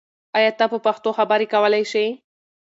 آیا ته په پښتو خبرې کولای شې؟